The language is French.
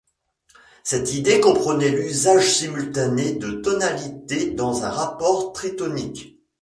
Cette idée comprenait l’usage simultané de tonalités dans un rapport tritonique.